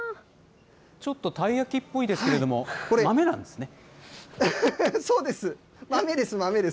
ちょっとたい焼きっぽいですけど、豆なんですね。